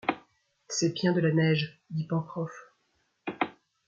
C’est bien de la neige ! dit Pencroff.